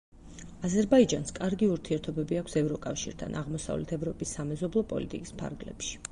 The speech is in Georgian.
აზერბაიჯანს კარგი ურთიერთობები აქვს ევროკავშირთან, აღმოსავლეთ ევროპის სამეზობლო პოლიტიკის ფარგლებში.